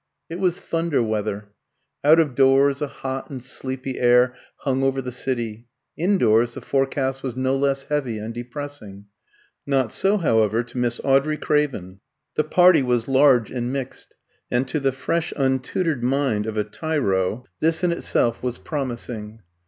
It was thunder weather. Out of doors, a hot and sleepy air hung over the city; indoors, the forecast was no less heavy and depressing. Not so, however, to Miss Audrey Craven. The party was large and mixed; and to the fresh, untutored mind of a tyro, this in itself was promising.